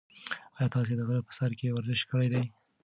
ایا تاسي د غره په سر کې ورزش کړی دی؟